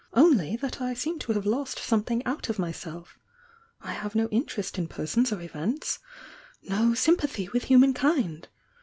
Only that I seem to have lost something out of myself — I have no interest in persons or events — no sympathy with human kind.